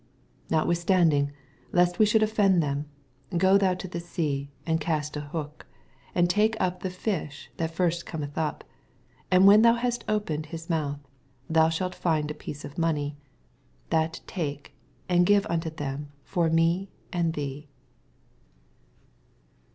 27 Notwithstanding, lest we should offend them, go thou to the sea, and oast an hook, and take up the fish that first Cometh up ; and when thou hast opened his mouth, thou shall find a piece of money : tnat take, and give unto them for me and thee.